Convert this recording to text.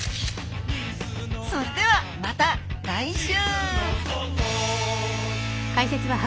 それではまた来週！